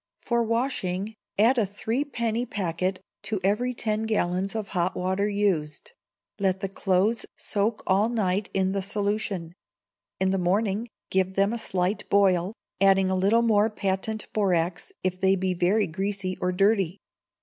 For washing add a threepenny packet to every ten gallons of hot water used; let the clothes soak all night in the solution; in the morning give them a slight boil, adding a little more Patent Borax, if they be very greasy or dirty.